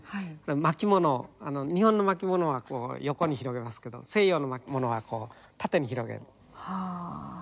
巻物日本の巻物は横に広げますけど西洋の巻物は縦に広げる。